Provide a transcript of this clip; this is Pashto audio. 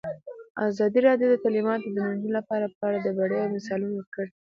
ازادي راډیو د تعلیمات د نجونو لپاره په اړه د بریاوو مثالونه ورکړي.